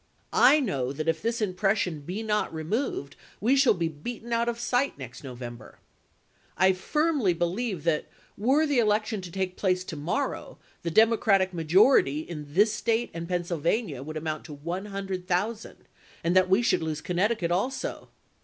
I know that if this impression be not removed we shall be beaten out of sight next November. I firmly believe that, were the election to take place to morrow, the Democratic majority in this State and Penn sylvania would amount to 100,000, and that we should lose Connecticut also.